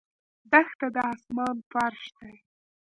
دښته د آسمان فرش دی.